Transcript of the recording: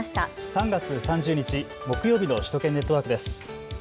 ３月３０日木曜日の首都圏ネットワークです。